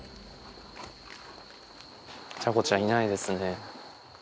ちゃこちゃん、いないですね。